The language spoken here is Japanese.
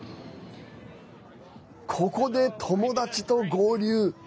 ここで友達と合流。